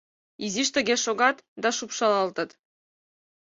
Изиш тыге шогат да шупшалалтыт.